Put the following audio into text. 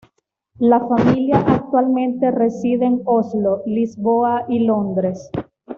La familia actualmente reside en Oslo, Lisboa y Londres.